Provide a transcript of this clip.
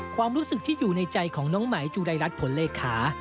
ความรู้สึกที่อยู่ในใจของน้องไหมจุรายรัฐผลเลขา